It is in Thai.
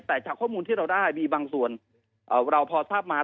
แต่จากข้อมูลที่เราได้มีบางส่วนเราพอทราบมา